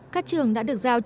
các trường đã được giáo dục